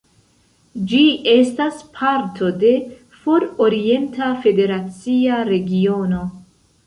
Ĝi estas parto de For-orienta federacia regiono.